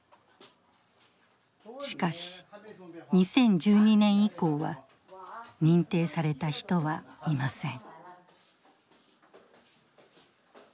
しかし２０１２年以降は認定された人はいません。